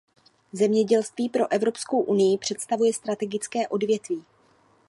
Zemědělství pro Evropskou unii představuje strategické odvětví.